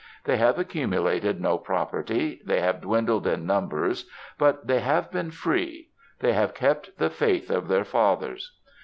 They have accumu lated no property, they have dwindled in numbers, but they have been free— they have kept the faith of their fathers.